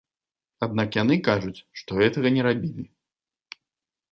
Аднак яны кажуць, што гэтага не рабілі.